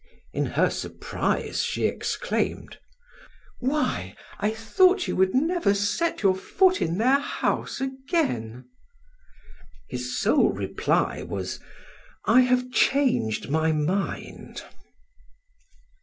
In her surprise she exclaimed: "Why, I thought you would never set your foot in their house again." His sole reply was: "I have changed my mind."